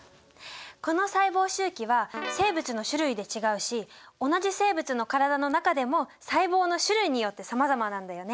この細胞周期は生物の種類で違うし同じ生物の体の中でも細胞の種類によってさまざまなんだよね。